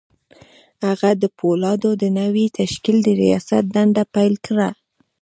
هغه د پولادو د نوي تشکیل د رياست دنده پیل کړه